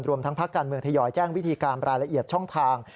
รวมทั้งพักการเมืองทยอยแจ้งวิธีการรายละเอียดช่องทาง